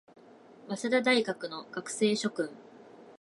早稲田大学の学生諸君